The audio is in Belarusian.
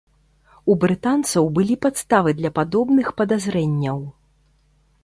У брытанцаў былі падставы для падобных падазрэнняў.